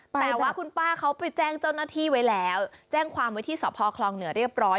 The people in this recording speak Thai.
แต่ว่าคุณป้าเขาไปแจ้งเจ้าหน้าที่ไว้แล้วแจ้งความไว้ที่สพคลองเหนือเรียบร้อย